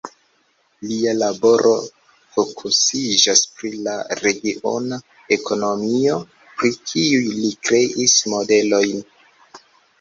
Lia laboro fokusiĝas pri la regiona ekonomio, pri kiuj li kreis modelojn.